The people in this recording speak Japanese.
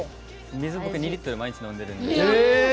僕２リットル毎日飲んでるんです。